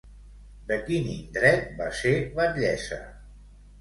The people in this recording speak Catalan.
De quin indret va ser batllessa?